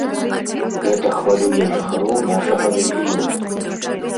Гэта хвалюе жыхароў нашага рэгіёну.